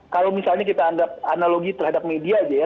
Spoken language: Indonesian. kalau misalnya kita anggap analogi terhadap media aja ya